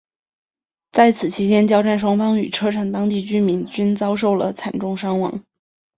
在此期间交战双方与车臣当地居民均遭受了惨重伤亡。